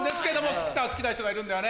菊田は好きな人がいるんだよね？